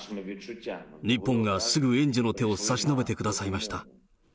日本がすぐ援助の手を差し伸べてくださいました。